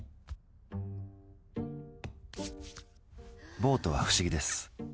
ボートは不思議です。